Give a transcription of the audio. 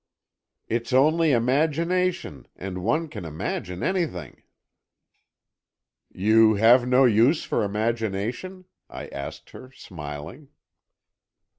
"It's only imagination, and one can imagine anything." "You have no use for imagination?" I asked her, smiling.